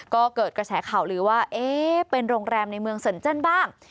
ก็เกิดกระแสข่าวลือว่าเป็นโรงแรมในเมืองเซินเจิ้นบ้าง